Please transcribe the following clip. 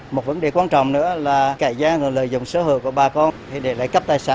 một vấn đề quan trọng nữa là cải gian lợi dụng sở hữu của bà con để lấy cắp tài sản